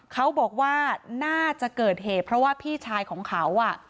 เขาบอกว่าน่าจะเกิดเหตุเพราะว่าพี่ชายของเขา